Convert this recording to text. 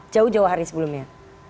jauh jauh hari sebelumnya